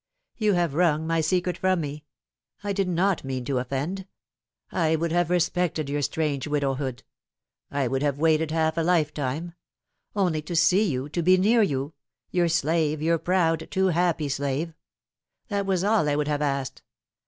You have wrung my secret from me. I did not mean to offend. I would have respected your strange widowhood. I would have waited half a lifetime. Only to see you, to be near you your slave, your proud, too happy slave. That was all I would have asked.